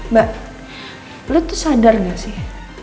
mbak lo tuh sadar gak sih